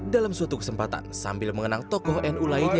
dalam suatu kesempatan sambil mengenang tokoh nu lainnya